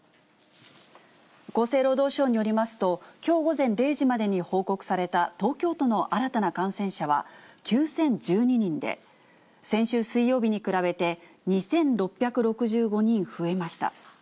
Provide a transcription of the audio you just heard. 厚生労働省によりますと、きょう午前０時までに報告された東京都の新たな感染者は９０１２人で、先週水曜日に比べて、２６６５人増えました。